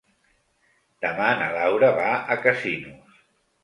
Demà na Laura va a Casinos.